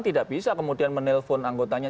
tidak bisa kemudian menelpon anggotanya